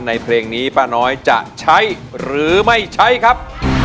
เพลงนี้ป้าน้อยจะใช้หรือไม่ใช้ครับ